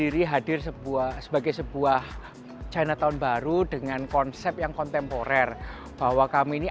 diri hadir sebuah sebagai sebuah china tahun baru dengan konsep yang kontemporer bahwa kami ini